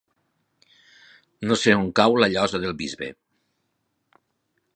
No sé on cau la Llosa del Bisbe.